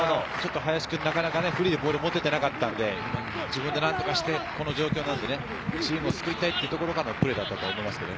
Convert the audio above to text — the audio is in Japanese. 林君、なかなかフリーでボールを持てていなかったんで、自分で何とかして、この状況なので、チームを救いたいというところでのプレーだったと思います。